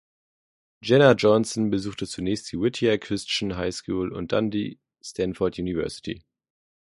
Jenna Johnson besuchte zunächst die Whittier Christian High School und dann die Stanford University.